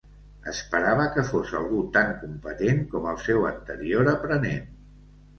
Esperava que fos algú tan competent com el seu anterior aprenent.